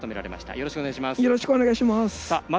よろしくお願いします。